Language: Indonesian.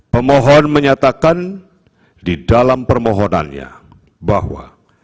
pemohon menyatakan di dalam permohonannya bahwa